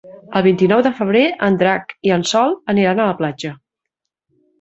El vint-i-nou de febrer en Drac i en Sol aniran a la platja.